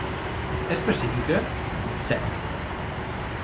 És pacífica? Pse...!